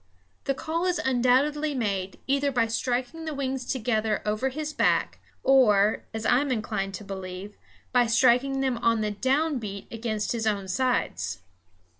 The call is undoubtedly made either by striking the wings together over his back or, as I am inclined to believe, by striking them on the down beat against his own sides.